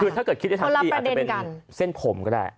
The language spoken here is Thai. คือถ้าเกิดคิดได้ทันทีอาจจะเป็นเส้นผมก็ได้